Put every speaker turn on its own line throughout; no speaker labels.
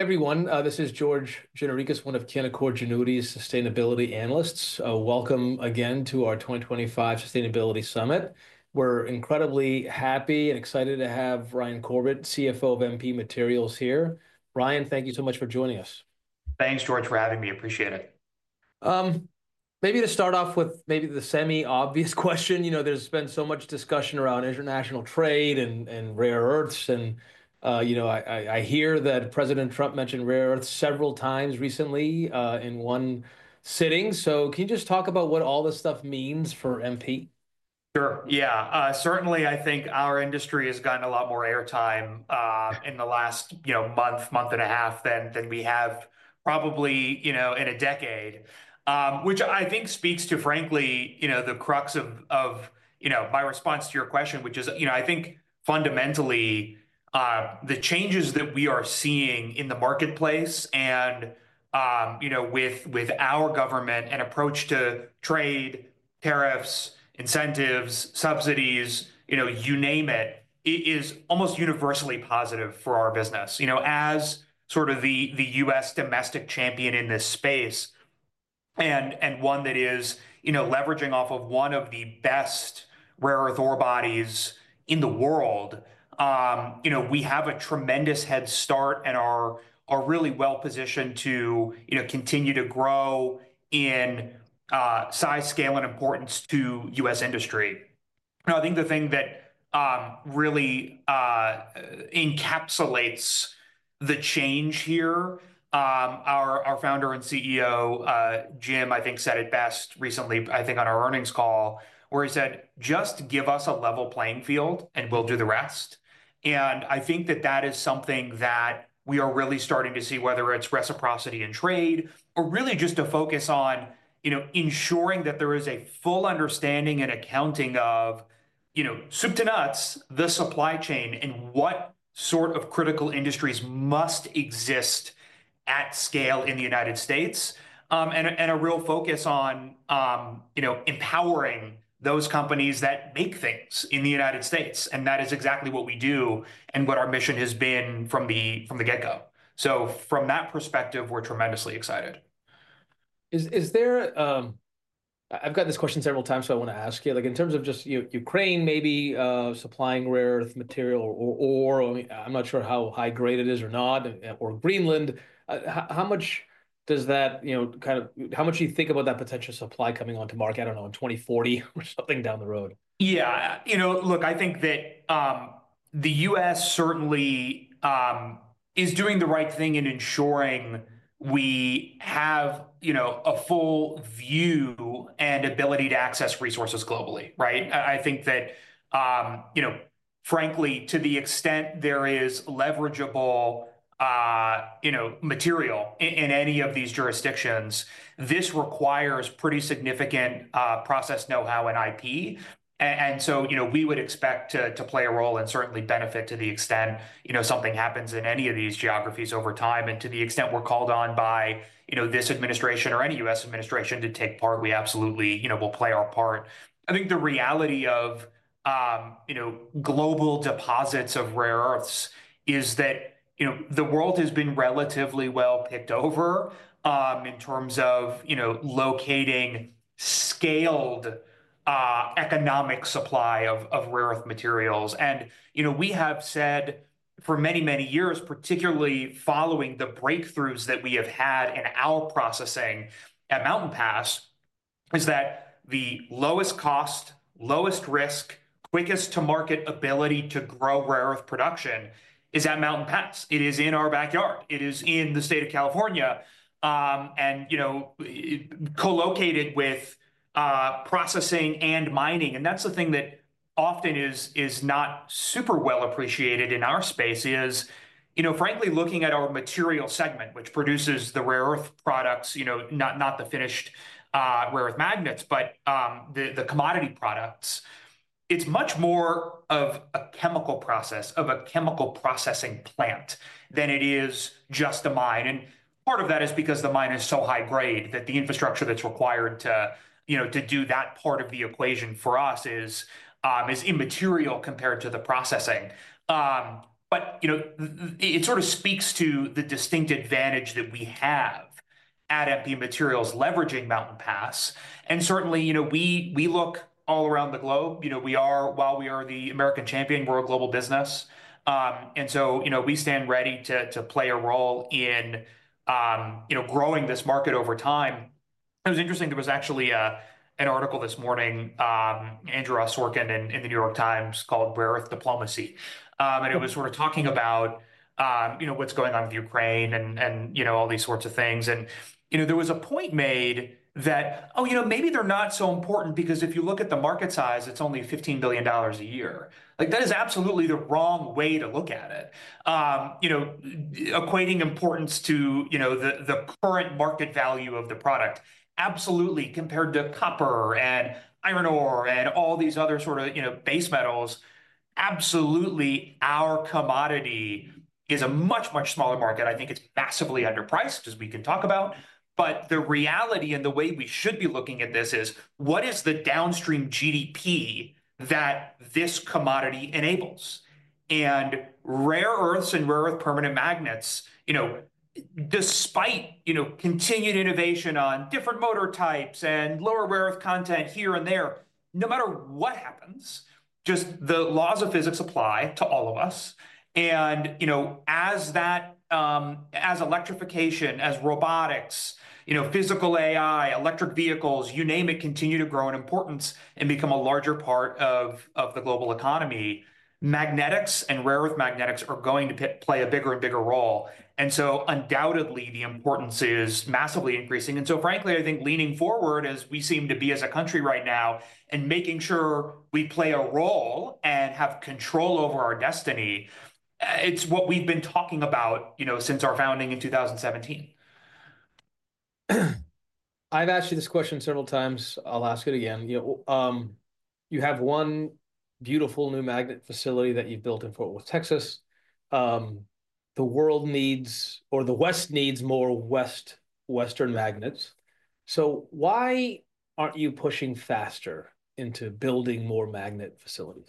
Everyone, this is George Gianarikas, one of Canaccord Genuity's sustainability analysts. Welcome again to our 2025 Sustainability Summit. We're incredibly happy and excited to have Ryan Corbett, CFO of MP Materials, here. Ryan, thank you so much for joining us.
Thanks, George, for having me. Appreciate it.
Maybe to start off with the semi-obvious question, you know, there's been so much discussion around international trade and rare earths, and, you know, I hear that President Trump mentioned rare earths several times recently in one sitting. So can you just talk about what all this stuff means for MP?
Sure. Yeah, certainly. I think our industry has gotten a lot more airtime in the last, you know, month, month and a half than we have probably, you know, in a decade, which I think speaks to, frankly, you know, the crux of, you know, my response to your question, which is, you know, I think fundamentally the changes that we are seeing in the marketplace and, you know, with our government and approach to trade, tariffs, incentives, subsidies, you know, you name it, it is almost universally positive for our business, you know, as sort of the U.S. domestic champion in this space and one that is, you know, leveraging off of one of the best rare earth ore bodies in the world. You know, we have a tremendous head start and are really well positioned to, you know, continue to grow in size, scale, and importance to U.S. industry. Now, I think the thing that really encapsulates the change here, our founder and CEO, Jim, I think said it best recently, I think on our earnings call, where he said, "Just give us a level playing field and we'll do the rest." And I think that that is something that we are really starting to see, whether it's reciprocity in trade or really just a focus on, you know, ensuring that there is a full understanding and accounting of, you know, soup to nuts, the supply chain and what sort of critical industries must exist at scale in the United States, and a real focus on, you know, empowering those companies that make things in the United States. And that is exactly what we do and what our mission has been from the get-go. So from that perspective, we're tremendously excited.
Is there? I've got this question several times, so I want to ask you, like, in terms of just Ukraine, maybe supplying rare earth material or, I'm not sure how high-grade it is or not, or Greenland, how much does that, you know, kind of how much do you think about that potential supply coming onto market, I don't know, in 2040 or something down the road?
Yeah, you know, look, I think that the U.S. certainly is doing the right thing in ensuring we have, you know, a full view and ability to access resources globally, right? I think that, you know, frankly, to the extent there is leverageable, you know, material in any of these jurisdictions, this requires pretty significant process know-how and IP, and so, you know, we would expect to play a role and certainly benefit to the extent, you know, something happens in any of these geographies over time, and to the extent we're called on by, you know, this administration or any U.S. administration to take part, we absolutely, you know, will play our part. I think the reality of, you know, global deposits of rare earths is that, you know, the world has been relatively well picked over in terms of, you know, locating scaled economic supply of rare earth materials. And, you know, we have said for many, many years, particularly following the breakthroughs that we have had in our processing at Mountain Pass, is that the lowest cost, lowest risk, quickest to market ability to grow rare earth production is at Mountain Pass. It is in our backyard. It is in the state of California and, you know, co-located with processing and mining. And that's the thing that often is not super well appreciated in our space is, you know, frankly, looking at our material segment, which produces the rare earth products, you know, not the finished rare earth magnets, but the commodity products, it's much more of a chemical process, of a chemical processing plant than it is just a mine. And part of that is because the mine is so high-grade that the infrastructure that's required to, you know, to do that part of the equation for us is immaterial compared to the processing. But, you know, it sort of speaks to the distinct advantage that we have at MP Materials leveraging Mountain Pass. And certainly, you know, we look all around the globe. You know, we are, while we are the American champion, we're a global business. And so, you know, we stand ready to play a role in, you know, growing this market over time. It was interesting. There was actually an article this morning, Andrew Ross Sorkin in The New York Times called Rare Earth Diplomacy. And it was sort of talking about, you know, what's going on with Ukraine and, you know, all these sorts of things. And, you know, there was a point made that, oh, you know, maybe they're not so important because if you look at the market size, it's only $15 billion a year. Like, that is absolutely the wrong way to look at it, you know, equating importance to, you know, the current market value of the product. Absolutely. Compared to copper and iron ore and all these other sort of, you know, base metals, absolutely our commodity is a much, much smaller market. I think it's massively underpriced, as we can talk about, but the reality and the way we should be looking at this is what is the downstream GDP that this commodity enables, and rare earths and rare earth permanent magnets, you know, despite, you know, continued innovation on different motor types and lower rare earth content here and there, no matter what happens, just the laws of physics apply to all of us, and, you know, as that, as electrification, as robotics, you know, physical AI, electric vehicles, you name it, continue to grow in importance and become a larger part of the global economy, magnetics and rare earth magnetics are going to play a bigger and bigger role, and so undoubtedly the importance is massively increasing. Frankly, I think leaning forward as we seem to be as a country right now and making sure we play a role and have control over our destiny. It's what we've been talking about, you know, since our founding in 2017.
I've asked you this question several times. I'll ask it again. You have one beautiful new magnet facility that you've built in Fort Worth, Texas. The world needs, or the West needs more Western magnets. So why aren't you pushing faster into building more magnet facilities?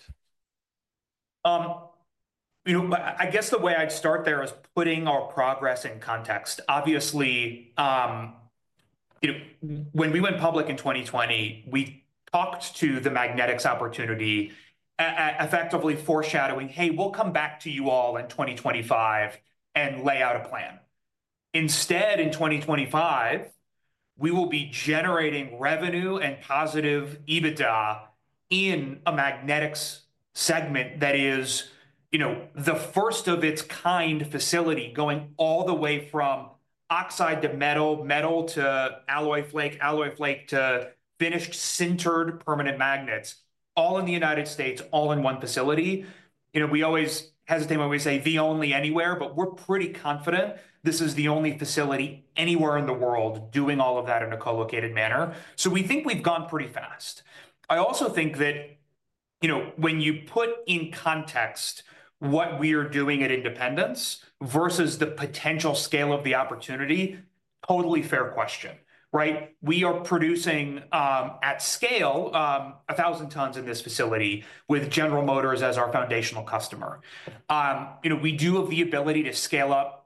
You know, I guess the way I'd start there is putting our progress in context. Obviously, you know, when we went public in 2020, we talked to the magnetics opportunity, effectively foreshadowing, "Hey, we'll come back to you all in 2025 and lay out a plan." Instead, in 2025, we will be generating revenue and positive EBITDA in a magnetics segment that is, you know, the first of its kind facility going all the way from oxide to metal, metal to alloy flake, alloy flake to finished sintered permanent magnets, all in the United States, all in one facility. You know, we always hesitate when we say the only anywhere, but we're pretty confident this is the only facility anywhere in the world doing all of that in a co-located manner. So we think we've gone pretty fast. I also think that, you know, when you put in context what we are doing at Independence versus the potential scale of the opportunity, totally fair question, right? We are producing at scale 1,000 tons in this facility with General Motors as our foundational customer. You know, we do have the ability to scale up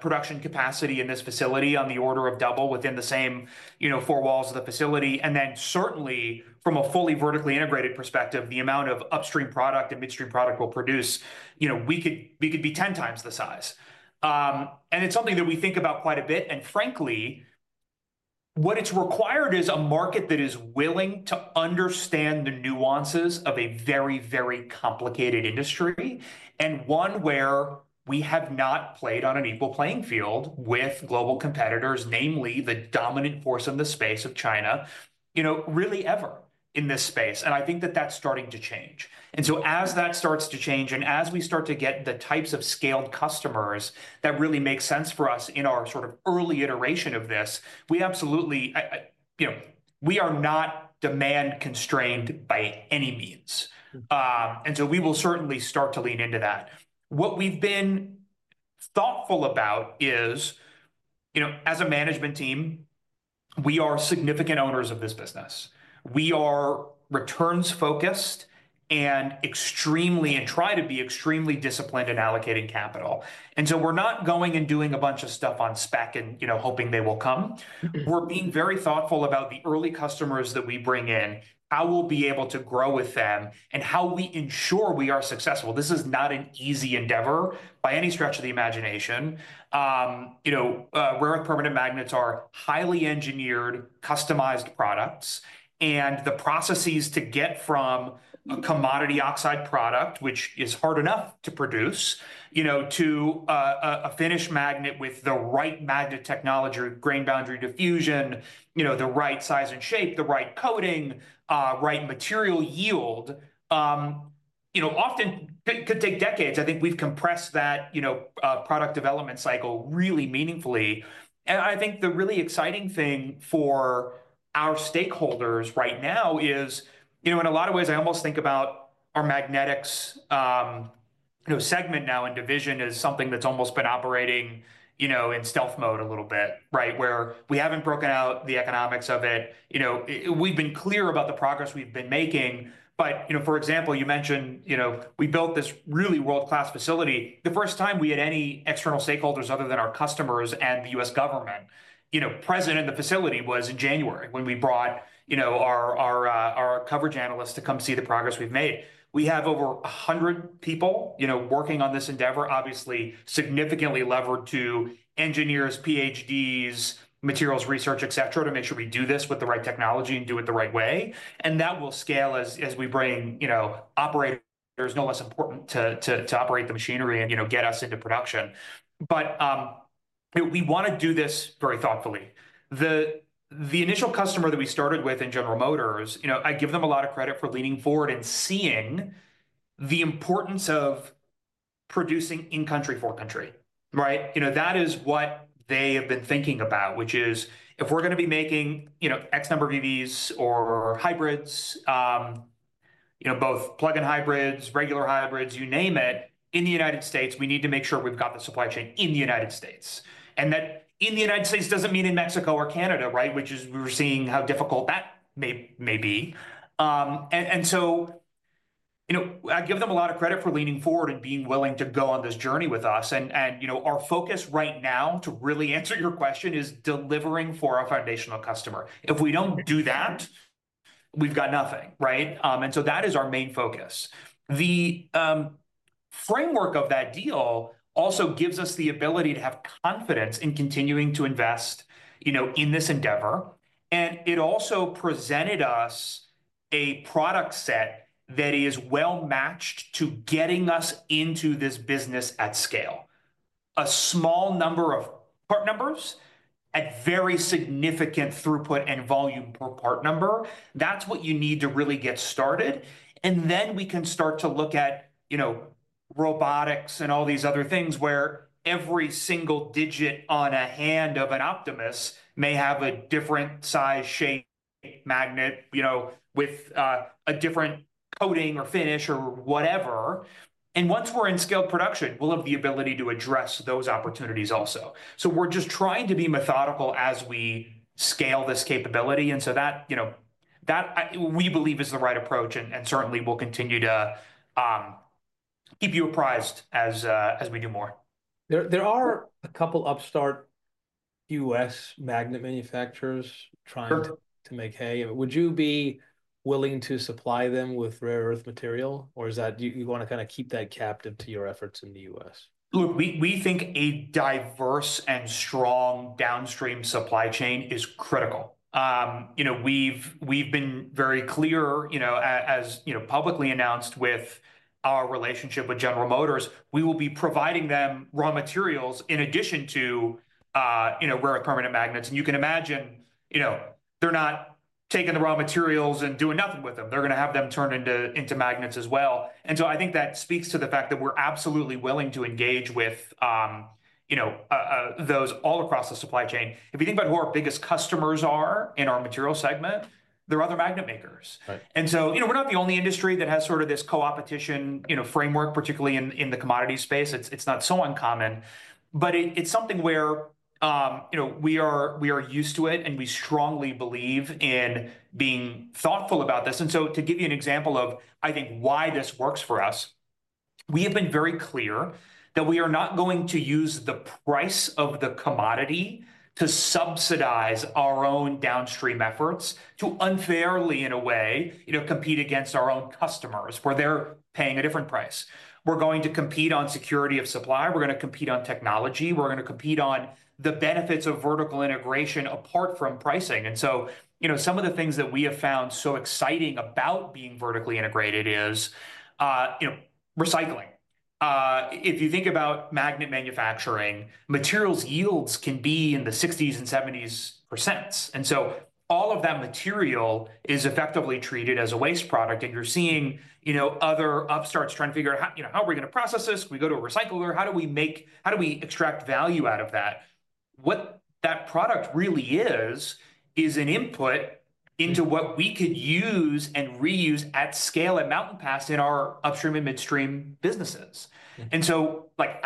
production capacity in this facility on the order of double within the same, you know, four walls of the facility, and then certainly from a fully vertically integrated perspective, the amount of upstream product and midstream product we'll produce, you know, we could be 10 times the size, and it's something that we think about quite a bit. And frankly, what it's required is a market that is willing to understand the nuances of a very, very complicated industry and one where we have not played on an equal playing field with global competitors, namely the dominant force in the space of China, you know, really ever in this space. And I think that that's starting to change. And so as that starts to change and as we start to get the types of scaled customers that really make sense for us in our sort of early iteration of this, we absolutely, you know, we are not demand constrained by any means. And so we will certainly start to lean into that. What we've been thoughtful about is, you know, as a management team, we are significant owners of this business. We are returns-focused and extremely, and try to be extremely disciplined in allocating capital. And so we're not going and doing a bunch of stuff on spec and, you know, hoping they will come. We're being very thoughtful about the early customers that we bring in, how we'll be able to grow with them and how we ensure we are successful. This is not an easy endeavor by any stretch of the imagination. You know, rare earth permanent magnets are highly engineered, customized products. And the processes to get from a commodity oxide product, which is hard enough to produce, you know, to a finished magnet with the right magnet technology, grain boundary diffusion, you know, the right size and shape, the right coating, right material yield, you know, often could take decades. I think we've compressed that, you know, product development cycle really meaningfully. I think the really exciting thing for our stakeholders right now is, you know, in a lot of ways, I almost think about our magnetics, you know, segment now in division is something that's almost been operating, you know, in stealth mode a little bit, right? Where we haven't broken out the economics of it. You know, we've been clear about the progress we've been making, but, you know, for example, you mentioned, you know, we built this really world-class facility. The first time we had any external stakeholders other than our customers and the U.S. government, you know, present in the facility was in January when we brought, you know, our coverage analysts to come see the progress we've made. We have over 100 people, you know, working on this endeavor, obviously significantly levered to engineers, PhDs, materials research, et cetera, to make sure we do this with the right technology and do it the right way, and that will scale as we bring, you know, operators no less important to operate the machinery and, you know, get us into production, but we want to do this very thoughtfully. The initial customer that we started with in General Motors, you know, I give them a lot of credit for leaning forward and seeing the importance of producing in country for country, right? You know, that is what they have been thinking about, which is if we're going to be making, you know, X number of EVs or hybrids, you know, both plug-in hybrids, regular hybrids, you name it, in the United States, we need to make sure we've got the supply chain in the United States. And that in the United States doesn't mean in Mexico or Canada, right? Which is we were seeing how difficult that may be. And so, you know, I give them a lot of credit for leaning forward and being willing to go on this journey with us. And, you know, our focus right now, to really answer your question, is delivering for our foundational customer. If we don't do that, we've got nothing, right? And so that is our main focus. The framework of that deal also gives us the ability to have confidence in continuing to invest, you know, in this endeavor, and it also presented us a product set that is well matched to getting us into this business at scale. A small number of part numbers at very significant throughput and volume per part number, that's what you need to really get started, and then we can start to look at, you know, robotics and all these other things where every single digit on a hand of an Optimus may have a different size, shape, magnet, you know, with a different coating or finish or whatever, and once we're in scaled production, we'll have the ability to address those opportunities also, so we're just trying to be methodical as we scale this capability. And so that, you know, that we believe is the right approach and certainly will continue to keep you apprised as we do more.
There are a couple upstart U.S. magnet manufacturers trying to make hay. Would you be willing to supply them with rare earth material? Or is that you want to kind of keep that captive to your efforts in the U.S.?
Look, we think a diverse and strong downstream supply chain is critical. You know, we've been very clear, you know, as, you know, publicly announced with our relationship with General Motors, we will be providing them raw materials in addition to, you know, rare earth permanent magnets. And you can imagine, you know, they're not taking the raw materials and doing nothing with them. They're going to have them turned into magnets as well. And so I think that speaks to the fact that we're absolutely willing to engage with, you know, those all across the supply chain. If you think about who our biggest customers are in our material segment, they're other magnet makers. And so, you know, we're not the only industry that has sort of this co-opetition, you know, framework, particularly in the commodity space. It's not so uncommon. But it's something where, you know, we are used to it and we strongly believe in being thoughtful about this. And so to give you an example of, I think, why this works for us, we have been very clear that we are not going to use the price of the commodity to subsidize our own downstream efforts to unfairly, in a way, you know, compete against our own customers where they're paying a different price. We're going to compete on security of supply. We're going to compete on technology. We're going to compete on the benefits of vertical integration apart from pricing. And so, you know, some of the things that we have found so exciting about being vertically integrated is, you know, recycling. If you think about magnet manufacturing, materials yields can be in the 60s and 70s%. All of that material is effectively treated as a waste product. You're seeing, you know, other upstarts trying to figure out, you know, how are we going to process this? Can we go to a recycler? How do we make, how do we extract value out of that? What that product really is, is an input into what we could use and reuse at scale at Mountain Pass in our upstream and midstream businesses. Like,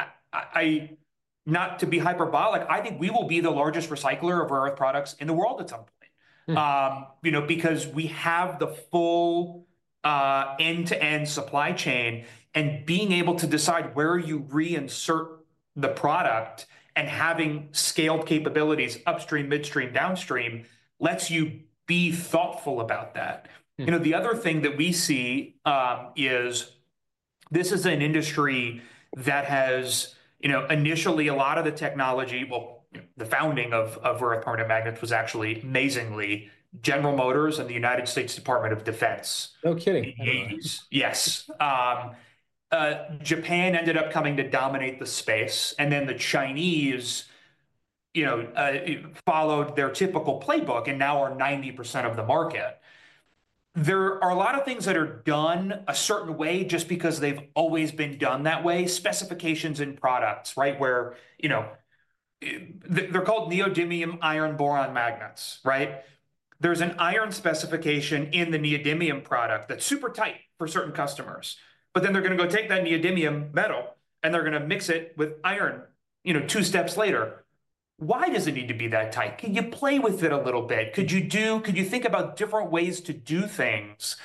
not to be hyperbolic, I think we will be the largest recycler of rare earth products in the world at some point, you know, because we have the full end-to-end supply chain and being able to decide where you reinsert the product and having scaled capabilities upstream, midstream, downstream lets you be thoughtful about that. You know, the other thing that we see is this is an industry that has, you know, initially a lot of the technology. Well, the founding of rare earth permanent magnets was actually amazingly General Motors and the United States Department of Defense.
No kidding.
Yes. Japan ended up coming to dominate the space, and then the Chinese, you know, followed their typical playbook and now are 90% of the market. There are a lot of things that are done a certain way just because they've always been done that way, specifications in products, right? Where, you know, they're called neodymium iron boron magnets, right? There's an iron specification in the neodymium product that's super tight for certain customers. But then they're going to go take that neodymium metal and they're going to mix it with iron, you know, two steps later. Why does it need to be that tight? Can you play with it a little bit? Could you do, could you think about different ways to do things,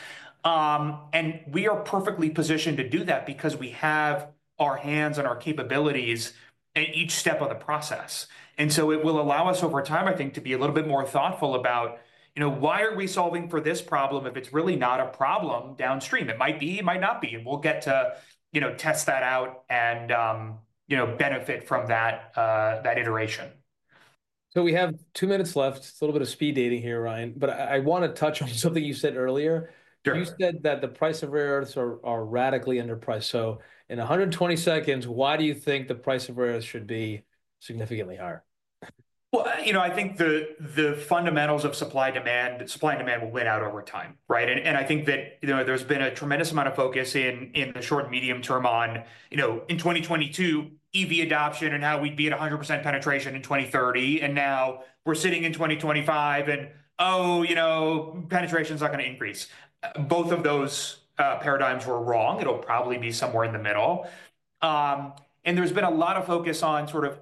and we are perfectly positioned to do that because we have our hands and our capabilities at each step of the process. And so it will allow us over time, I think, to be a little bit more thoughtful about, you know, why are we solving for this problem if it's really not a problem downstream? It might be, it might not be. And we'll get to, you know, test that out and, you know, benefit from that iteration.
So we have two minutes left. It's a little bit of speed dating here, Ryan, but I want to touch on something you said earlier. You said that the price of rare earths are radically underpriced. So in 120 seconds, why do you think the price of rare earths should be significantly higher?
Well, you know, I think the fundamentals of supply demand, supply and demand will win out over time, right? And I think that, you know, there's been a tremendous amount of focus in the short and medium term on, you know, in 2022, EV adoption and how we'd be at 100% penetration in 2030. And now we're sitting in 2025 and, oh, you know, penetration is not going to increase. Both of those paradigms were wrong. It'll probably be somewhere in the middle. And there's been a lot of focus on sort of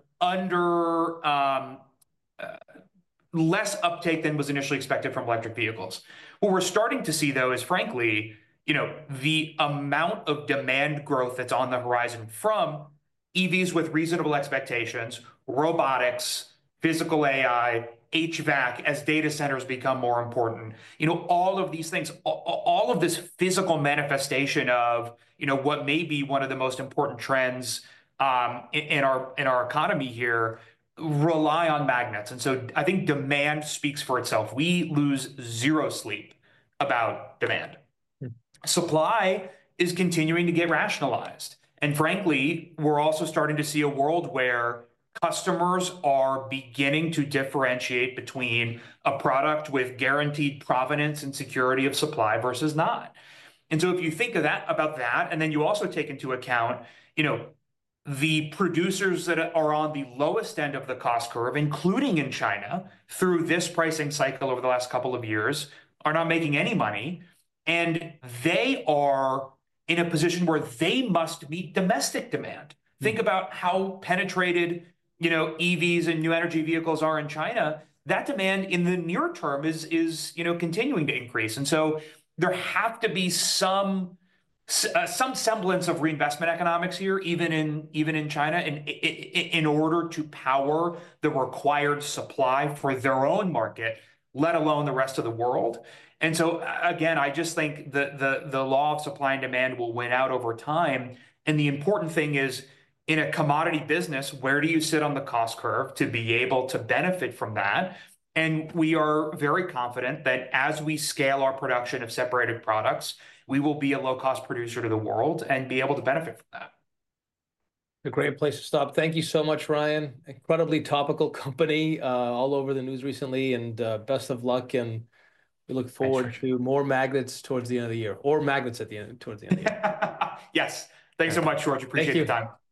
less uptake than was initially expected from electric vehicles. What we're starting to see, though, is frankly, you know, the amount of demand growth that's on the horizon from EVs with reasonable expectations, robotics, physical AI, HVAC as data centers become more important. You know, all of these things, all of this physical manifestation of, you know, what may be one of the most important trends in our economy here rely on magnets. And so I think demand speaks for itself. We lose zero sleep about demand. Supply is continuing to get rationalized. And frankly, we're also starting to see a world where customers are beginning to differentiate between a product with guaranteed provenance and security of supply versus not. And so if you think about that, and then you also take into account, you know, the producers that are on the lowest end of the cost curve, including in China, through this pricing cycle over the last couple of years, are not making any money. And they are in a position where they must meet domestic demand. Think about how penetrated, you know, EVs and new energy vehicles are in China. That demand in the near term is, you know, continuing to increase. And so there have to be some semblance of reinvestment economics here, even in China, in order to power the required supply for their own market, let alone the rest of the world. And so again, I just think the law of supply and demand will win out over time. And the important thing is, in a commodity business, where do you sit on the cost curve to be able to benefit from that? And we are very confident that as we scale our production of separated products, we will be a low-cost producer to the world and be able to benefit from that.
A great place to stop. Thank you so much, Ryan. Incredibly topical company all over the news recently. And best of luck. And we look forward to more magnets towards the end of the year.
Yes. Thanks so much, George. Appreciate your time.